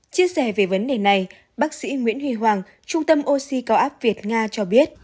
chia sẻ về vấn đề này bác sĩ nguyễn huy hoàng trung tâm oxy cao áp việt nga cho biết